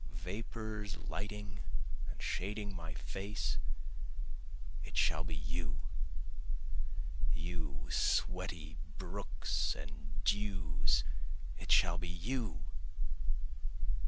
Vapors lighting and shading my face it shall be you! You sweaty brooks and dews it shall be you!